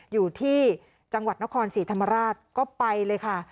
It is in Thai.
อยู่ที่จังหวัดนครศรีธรรมราชก็ไปเลยค่ะ